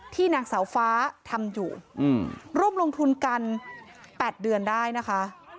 นางสาวฟ้าทำอยู่ร่วมลงทุนกัน๘เดือนได้นะคะ